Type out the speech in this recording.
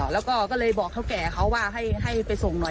และก็เลยบอกเขาแก่ว่าให้ไปส่งหน่อย